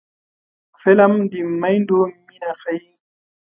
فلم د میندو مینه ښيي